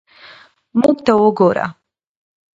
موږ ته وګوره.